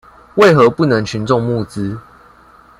為何不能群眾募資？